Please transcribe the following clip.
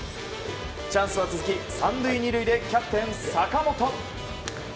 チャンスは続き、３塁２塁でキャプテン、坂本。